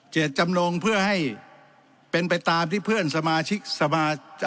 ตจำนงเพื่อให้เป็นไปตามที่เพื่อนสมาชิกสมา